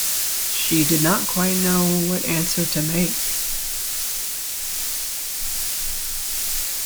She did not quite know what answer to make..